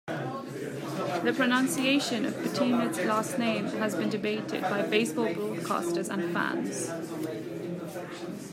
The pronunciation of Betemit's last name has been debated by baseball broadcasters and fans.